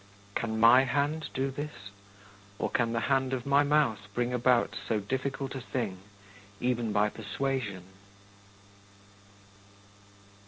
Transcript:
Can my hand do this, or can the hand of my mouth bring about so difficult a thing even by persuasion?